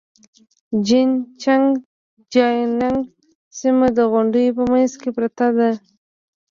جين چنګ جيانګ سيمه د غونډيو په منځ کې پرته ده.